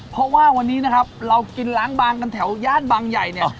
เพราะว่าวันนี้นะครับเรากินล้างบางกันแถวย่านบางใหญ่เนี่ย